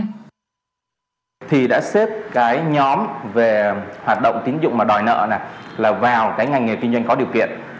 một số chuyên gia cho rằng thực tế cấm dịch vụ đòi nợ thuê là một vụ việc đòi nợ thuê